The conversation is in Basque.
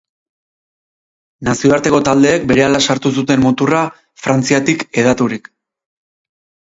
Nazioarteko taldeek berehala sartu zuten muturra Frantziatik hedaturik.